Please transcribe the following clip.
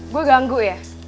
gue ganggu ya